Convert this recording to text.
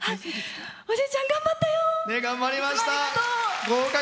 おじいちゃん、頑張ったよ！